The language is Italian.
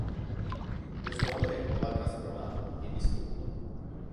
Questo amore lo ha trasformato e distrutto.